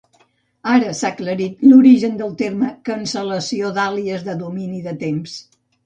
Ara s'ha aclarit l'origen del terme "cancel·lació d'àlies de domini de temps".